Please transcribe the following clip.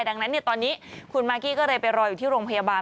ดังนั้นตอนนี้คุณมากกี้ก็เลยไปรออยู่ที่โรงพยาบาล